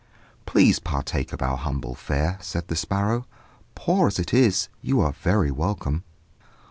"Please partake of our humble fare," said the sparrow; "poor as it is, you are very welcome."